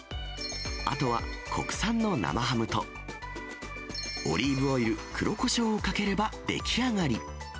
あとは国産の生ハムと、オリーブオイル、黒こしょうをかければ出来上がり。